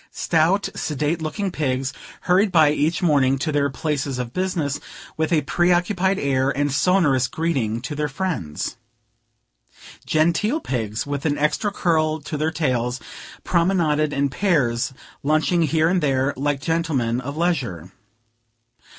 Stout, sedate looking pigs, hurried by each morning to their places of business, with a preoccupied air, and sonorous greeting to their friends. Genteel pigs, with an extra curl to their tails, promenaded in pairs, lunching here and there, like gentlemen of leisure.